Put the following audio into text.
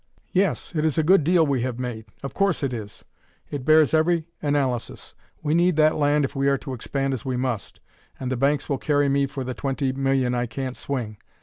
"Yes, it is a good deal we have made of course it is! it bears every analysis. We need that land if we are to expand as we must, and the banks will carry me for the twenty million I can't swing.